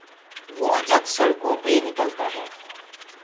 وہ جب سڑکوں پہ نکلتا ہے۔